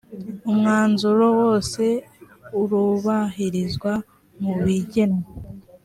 umwanzuro wose urubahirizwa mubigenwe.